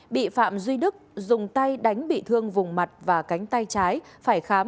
bị phạm duy đức dùng tay đánh bị thương vùng mặt và cánh